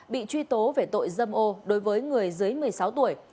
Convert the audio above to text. bị truy tố về tội dâm ô đối với người dưới một mươi sáu tuổi